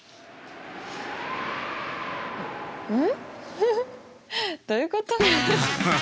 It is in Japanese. フフどういうこと？